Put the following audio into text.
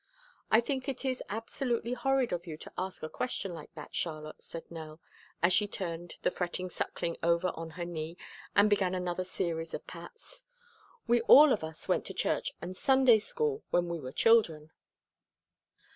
"I think it is absolutely horrid of you to ask a question like that, Charlotte," said Nell, as she turned the fretting Suckling over on her knee and began another series of pats. "We all of us went to church and Sunday school when we were children."